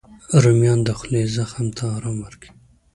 رومیان د خولې زخم ته ارام ورکوي